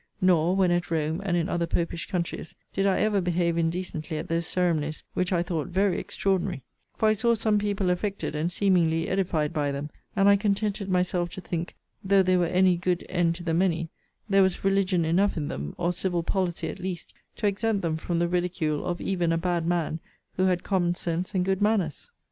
Nor, when at Rome, and in other popish countries, did I ever behave indecently at those ceremonies which I thought very extraordinary: for I saw some people affected, and seemingly edified, by them; and I contented myself to think, though they were any good end to the many, there was religion enough in them, or civil policy at least, to exempt them from the ridicule of even a bad man who had common sense and good manners.